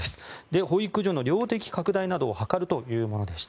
保育所の量的拡大などを図るというものでした。